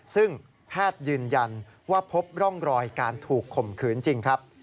ซึ่งแพทย์ยืนยันว่าพบร่องรอยการถูกข่มขืนจริงครับ